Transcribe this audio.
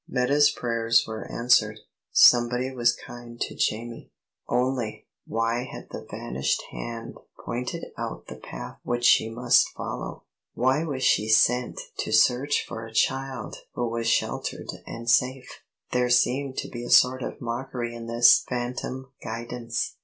Meta's prayers were answered; somebody was kind to Jamie. Only, why had the vanished hand pointed out the path which she must follow? Why was she sent to search for a child who was sheltered and safe? There seemed to be a sort of mockery in this phantom guidance.